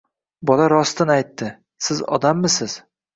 Bola rostin aytdi: „Siz odammisiz..